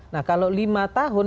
nah kalau lima tahun